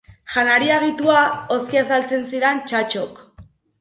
Janari agitua hozki azaltzen zidan Txatxok.